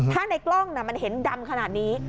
ถ้าในกล้องมันเห็นดำขนาดนี้